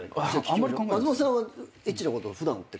松本さんはエッチなこと普段って考える？